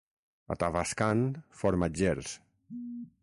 A Tavascan, formatgers.